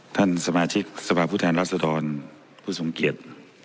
ท่านสมาชิกศพพุทธแห่งรัตฐนผู้สมเกียจ